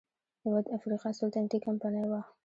یوه د افریقا سلطنتي کمپنۍ وه.